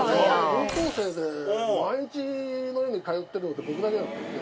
高校生で毎日のように通ってるのって僕だけだったんで。